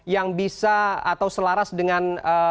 yang bisa atau selaras dengan